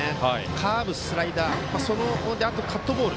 カーブ、スライダーそれとカットボール。